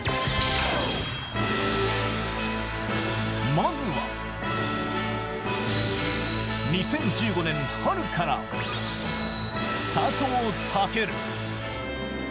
まずは、２０１５年春から佐藤健。